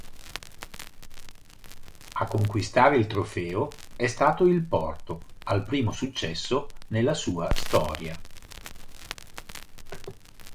A conquistare il trofeo è stato il Porto al primo successo nella sua storia.